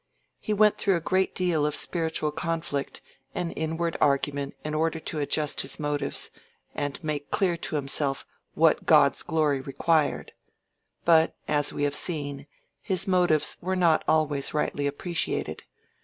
He went through a great deal of spiritual conflict and inward argument in order to adjust his motives, and make clear to himself what God's glory required. But, as we have seen, his motives were not always rightly appreciated.